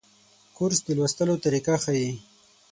کورس د لوستلو طریقه ښيي.